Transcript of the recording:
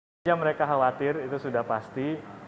banyak yang mereka khawatir itu sudah pernah